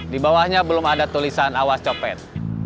di bawahnya belum ada tulisan awas copet